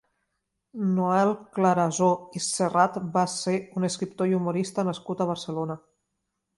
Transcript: Noel Clarasó i Serrat va ser un escriptor i humorista nascut a Barcelona.